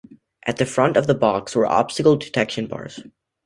At the front of the box were obstacle detection bars.